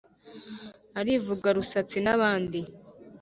arivuga rusatsi n'abandi